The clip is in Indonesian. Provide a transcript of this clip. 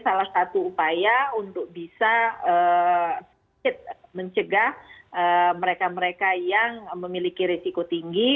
salah satu upaya untuk bisa mencegah mereka mereka yang memiliki resiko tinggi